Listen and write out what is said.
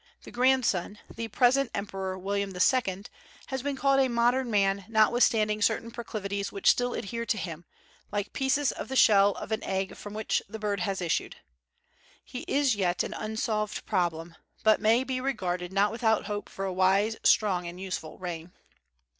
The grandson, the present Emperor William II., has been called "a modern man, notwithstanding certain proclivities which still adhere to him, like pieces of the shell of an egg from which the bird has issued." He is yet an unsolved problem, but may be regarded not without hope for a wise, strong, and useful reign.